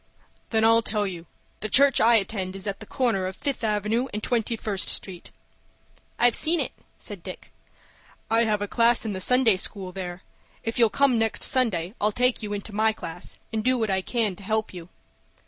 "Then I'll tell you. The church I attend is at the corner of Fifth Avenue and Twenty first Street." "I've seen it," said Dick. "I have a class in the Sunday School there. If you'll come next Sunday, I'll take you into my class, and do what I can to help you."